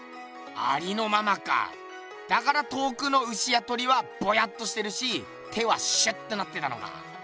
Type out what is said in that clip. ありのままかだから遠くの牛や鳥はぼやっとしてるし手はシュッとなってたのか。